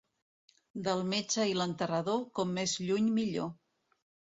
Del metge i l'enterrador, com més lluny millor.